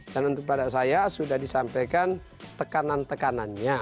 dan untuk para saya sudah disampaikan tekanan tekanannya